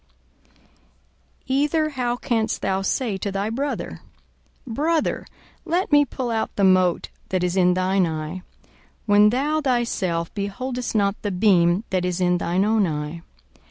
42:006:042 Either how canst thou say to thy brother, Brother, let me pull out the mote that is in thine eye, when thou thyself beholdest not the beam that is in thine own eye?